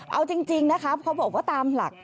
เอาจริงนะครับเขาบอกว่าตามหลัก